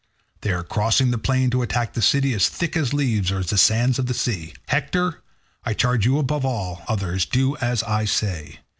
They are crossing the plain to attack the city as thick as leaves or as the sands of the sea. Hector, I charge you above all others, do as I say.